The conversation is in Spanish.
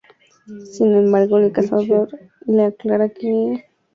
Sin embargo el cazador le aclara que el solo está esperando el momento adecuado.